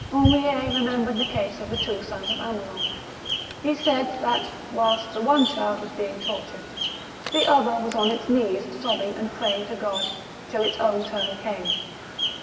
Henriet remembered the case of the two sons of Hamelin ; he said that, whilst the one child was being tortured, the other was on its knees sobbing and praying to God, till its own turn came.